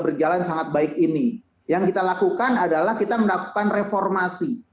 berjalan sangat baik ini yang kita lakukan adalah kita melakukan reformasi